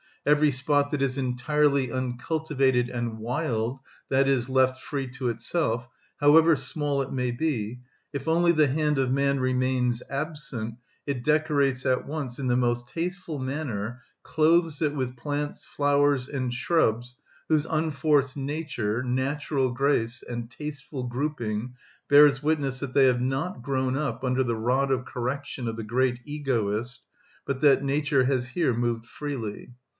Every spot that is entirely uncultivated and wild, i.e., left free to itself, however small it may be, if only the hand of man remains absent, it decorates at once in the most tasteful manner, clothes it with plants, flowers, and shrubs, whose unforced nature, natural grace, and tasteful grouping bears witness that they have not grown up under the rod of correction of the great egoist, but that nature has here moved freely.